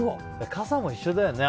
傘も一緒だよね。